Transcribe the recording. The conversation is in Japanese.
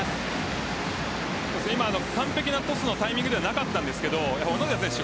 今完璧なトスのタイミングではなかったんですが小野寺選手